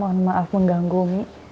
mohon maaf mengganggu umi